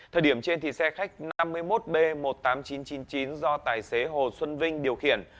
thời điểm trên xe khách năm mươi một b một mươi tám nghìn chín trăm chín mươi chín do tài xế hồ xuân vinh điều khiển